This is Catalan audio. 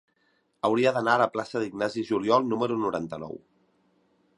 Hauria d'anar a la plaça d'Ignasi Juliol número noranta-nou.